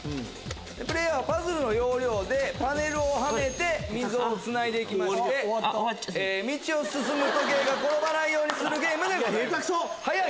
プレーヤーはパズルの要領でパネルをはめて溝をつないで行きまして道を進む時計が転ばないようにするゲームです。